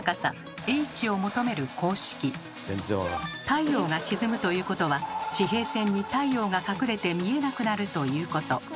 太陽が沈むということは地平線に太陽が隠れて見えなくなるということ。